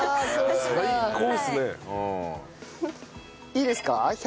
いいですか？